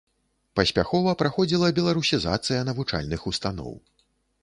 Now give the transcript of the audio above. Паспяхова праходзіла беларусізацыя навучальных устаноў.